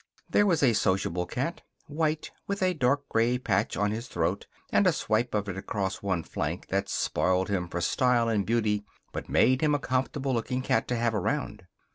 There was a sociable cat, white with a dark gray patch on his throat and a swipe of it across one flank that spoiled him for style and beauty but made him a comfortable looking cat to have around.